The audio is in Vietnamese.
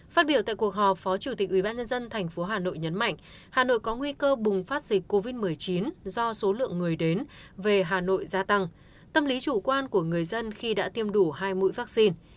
phát biểu tại cuộc họp phó chủ tịch ubnd tp hà nội nhấn mạnh hà nội có nguy cơ bùng phát dịch covid một mươi chín do số lượng người đến về hà nội gia tăng tâm lý chủ quan của người dân khi đã tiêm đủ hai mũi vaccine